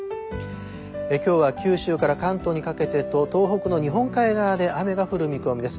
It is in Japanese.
今日は九州から関東にかけてと東北の日本海側で雨が降る見込みです。